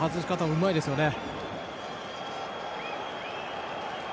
うまいですよね。